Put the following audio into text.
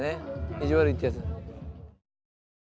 意地悪いってやつは。